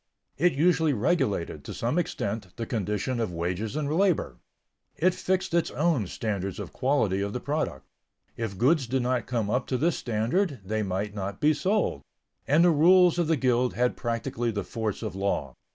It usually regulated, to some extent, the conditions of wages and labor. It fixed its own standards of quality of the product; if goods did not come up to this standard, they might not be sold, and the rules of the guild had practically the force of law.